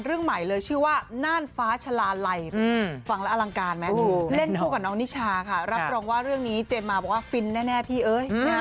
รับรองว่าเรื่องนี้เจมมาบอกว่าฟินแน่พี่เอ๋ย